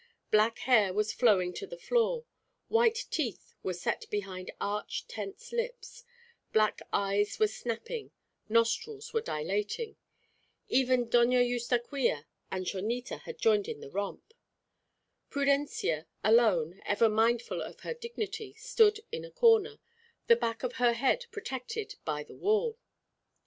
Black hair was flowing to the floor; white teeth were set behind arch tense lips; black eyes were snapping; nostrils were dilating. Even Doña Eustaquia and Chonita had joined in the romp. Prudencia, alone, ever mindful of her dignity, stood in a corner, the back of her head protected by the wall.